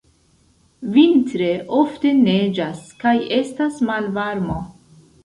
Vintre ofte neĝas kaj estas malvarmo.